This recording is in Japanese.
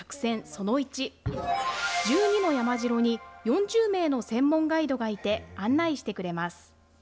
その１、１２の山城に４０名の専門ガイドがいて、案内してくれます。